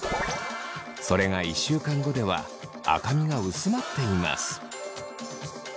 それが１週間後では赤みが薄まっています。